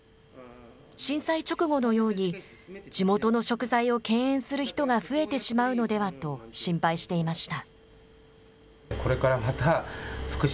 震災直後のように、地元の食材を敬遠する人が増えてしまうのではと心配していました。